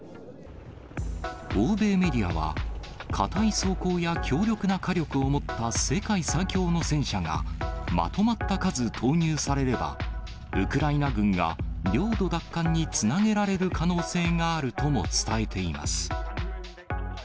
欧米メディアは、硬い装甲や強力な火力を持った世界最強の戦車が、まとまった数投入されれば、ウクライナ軍が領土奪還につなげられる可能性があるとも伝えています。